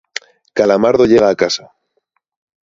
Calamardo llega a casa.